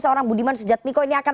seorang budiman sujadmiko ini akan